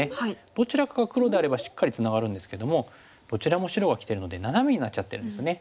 どちらかが黒であればしっかりツナがるんですけどもどちらも白がきてるのでナナメになっちゃってるんですよね。